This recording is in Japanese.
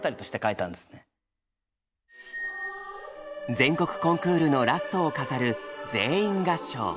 全国コンクールのラストを飾る全員合唱。